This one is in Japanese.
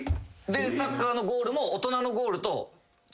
サッカーのゴールも大人のゴールと違うんですよ。